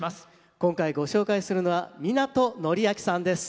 今回ご紹介するのは湊範章さんです。